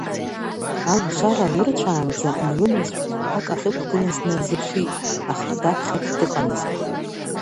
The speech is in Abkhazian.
Алашара лырцәаанӡа илымаз шәҟәқәак ахьықәгылаз днарзыԥшит, аха даԥхьартә дыҟамызт.